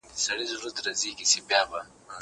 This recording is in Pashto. زه کولای سم لوښي وچوم.